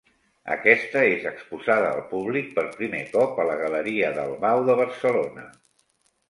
Aquesta és exposada al públic per primer cop a la Galeria Dalmau de Barcelona.